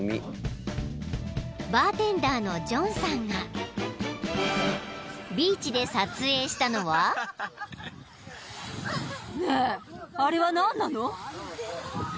［バーテンダーのジョンさんがビーチで撮影したのは］ねえ。